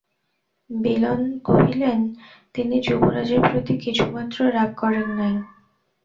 বিল্বন কহিলেন, তিনি যুবরাজের প্রতি কিছুমাত্র রাগ করেন নাই।